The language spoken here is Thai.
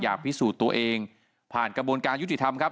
พิสูจน์ตัวเองผ่านกระบวนการยุติธรรมครับ